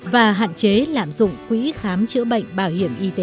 và hạn chế lạm dụng quỹ khám chữa bệnh bảo hiểm y tế